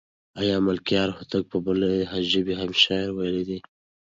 آیا ملکیار هوتک په بلې ژبې هم شعر ویلی دی؟